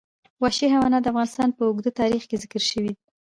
وحشي حیوانات د افغانستان په اوږده تاریخ کې ذکر شوي دي.